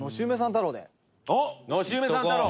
太郎！